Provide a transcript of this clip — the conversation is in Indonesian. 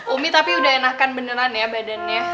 umi tapi udah enakan beneran ya badannya